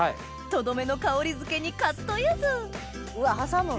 とどめの香りづけにカットゆずうわ挟む！